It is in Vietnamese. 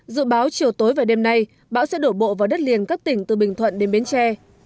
dự báo chiều tối và đêm nay bão sẽ đổ bộ vào đất liền các tỉnh từ bình thuận đến bến tre